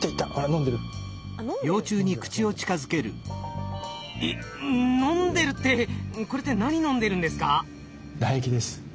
「飲んでる」ってこれって何飲んでるんですか？